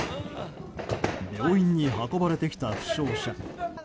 病院に運ばれてきた負傷者。